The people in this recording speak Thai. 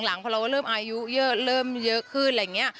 พอเราก็เริ่มอายุเยอะเริ่มเยอะขึ้นอะไรอย่างนี้